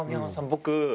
僕